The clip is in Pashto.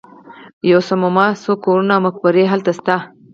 یوه صومعه، څو کورونه او مقبرې هلته شته.